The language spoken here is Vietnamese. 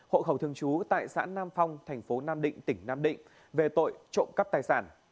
hộ khẩu thường trú tại xã nam phong thành phố nam định tỉnh nam định về tội trộm cắp tài sản